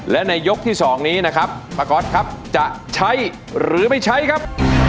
และในยกที่๒นี้นะครับป้าก๊อตครับจะใช้หรือไม่ใช้ครับ